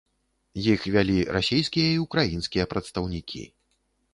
Іх вялі расійскія і ўкраінскія прадстаўнікі.